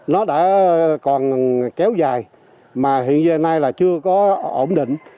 nó đã còn kéo dài mà hiện giờ nay là chưa có ổn định